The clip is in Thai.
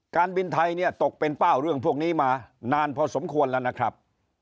การบินไทยเนี่ยตกเป็นเป้าเรื่องพวกนี้มานานพอสมควรแล้วนะครับ